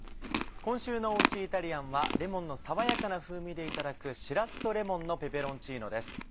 今週のおうちイタリアンはレモンの爽やかな風味でいただく「しらすとレモンのペペロンチーノ」です。